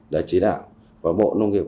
đại chế đạo và bộ nông nghiệp